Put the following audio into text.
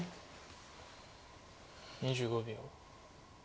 ２５秒。